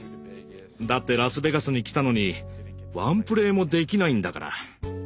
だってラスベガスに来たのにワンプレイもできないんだから。